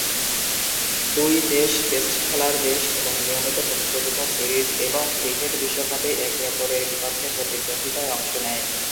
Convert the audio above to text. দুই দেশ টেস্ট খেলার দেশ এবং নিয়মিত প্রতিযোগিতা, সিরিজ এবং ক্রিকেট বিশ্বকাপে একে অপরের বিপক্ষে প্রতিদ্বন্দ্বিতায় অংশ নেয়।